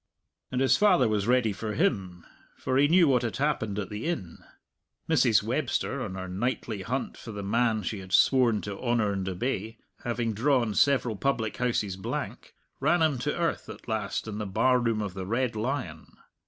And his father was ready for him, for he knew what had happened at the inn. Mrs. Webster, on her nightly hunt for the man she had sworn to honour and obey, having drawn several public houses blank, ran him to earth at last in the bar room of the Red Lion.